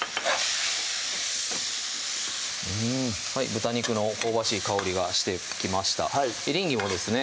豚肉の香ばしい香りがしてきましたエリンギもですね